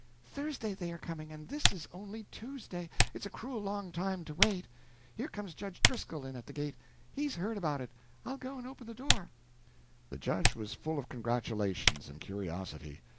Thursday they are coming, and this is only Tuesday; it's a cruel long time to wait. Here comes Judge Driscoll in at the gate. He's heard about it. I'll go and open the door." The Judge was full of congratulations and curiosity.